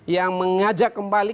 yang mengajak kembali